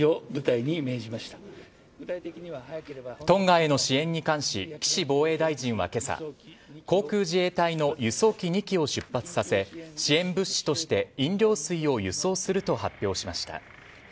トンガへの支援に関し岸防衛大臣は今朝航空自衛隊の輸送機２機を出発させ支援物資として飲料水を輸送すると発表しました。